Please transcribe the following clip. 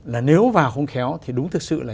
là nếu vào không khéo thì đúng thực sự là